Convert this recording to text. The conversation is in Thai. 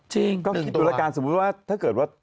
นึกตัวการสมมุติว่าถ้าเกิดว่า